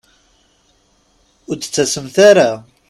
Ur d-tettasemt ara?